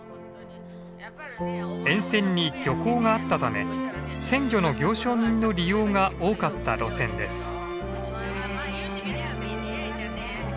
沿線に漁港があったため鮮魚の行商人の利用が多かった路線です。